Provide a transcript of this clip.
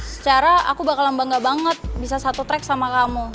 secara aku bakalan bangga banget bisa satu track sama kamu